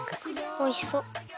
おいしそう！